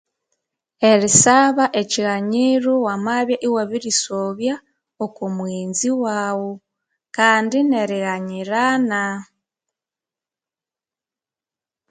Erisaba ekiyanyiru wamabya iwabirisobya okwamughenzi wawu kandi nerighanyirana